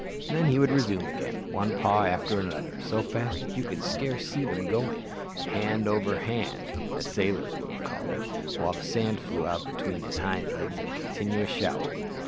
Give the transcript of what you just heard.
Then he would resume again, one paw after another so fast that you could scarce see them going "hand over hand," as sailors would have called it while the sand flew out between his hind legs in a continuous shower.